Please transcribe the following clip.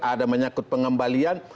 ada menyakut pengembalian